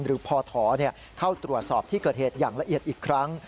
พถเข้าตรวจสอบที่เกิดเหตุอย่างละเอียดอีกครั้ง